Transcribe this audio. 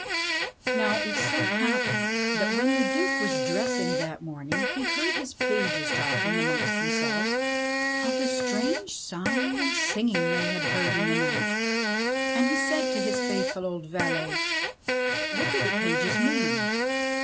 Now it so happened that when the Duke was dressing that morning he heard his pages talking amongst themselves of the strange sighing and singing they had heard in the night; and he said to his faithful old valet, "What do the pages mean